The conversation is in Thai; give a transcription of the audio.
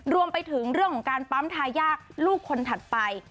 รวมไปถึงเรื่องของการปั๊มทายาทลูกคนถัดไป